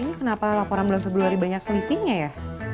ini kenapa laporan bulan februari banyak selisihnya ya